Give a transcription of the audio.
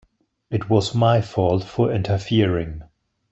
It was my fault for interfering.